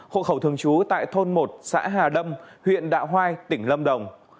hội khẩu thường chú tại thôn một xã hà đâm huyện đạo hoai tỉnh lâm đồng